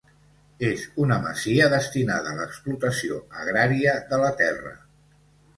És una masia destinada a l'explotació agrària de la terra.